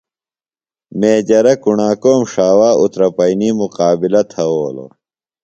میجرہ کُݨاکوم ݜاوا اُترپئینی مُقابِلہ تھوؤلوۡ۔